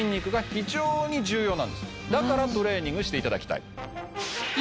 だからトレーニングしていただきたい。